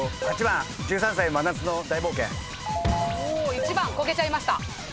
１番こけちゃいました。